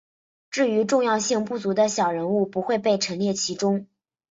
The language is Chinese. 至于重要性不足的小人物不会被陈列其中。